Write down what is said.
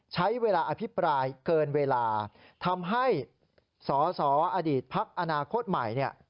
ใช้เวลาอภิปรายเกินเวลาทำให้สสอพอคใหม่